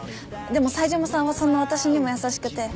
でも冴島さんはそんな私にも優しくて。